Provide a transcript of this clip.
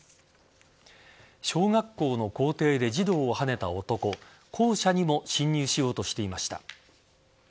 小学校の校庭で児童をはねた男校舎にも侵入しようとしていました。